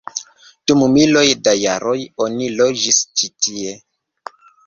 Dum miloj da jaroj oni loĝis ĉi tie.